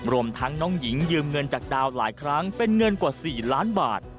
รวมทั้งน้องหญิงยืมเงินจากดาวหลายครั้งเป็นเงินกว่า๔ล้านบาท